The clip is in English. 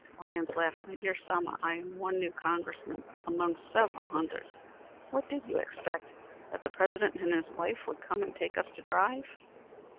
Lyons laughed. "My dear Selma, I am one new Congressman among several hundred. What did you expect? That the President and his wife would come and take us to drive?"